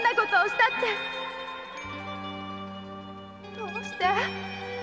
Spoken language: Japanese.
どうして？